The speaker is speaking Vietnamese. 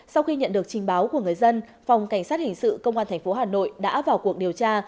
sau khi nhận được trình báo của người dân phòng cảnh sát hình sự công an tp hà nội đã vào cuộc điều tra